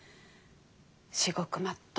至極まっとう。